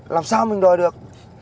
làm sao mình đòi được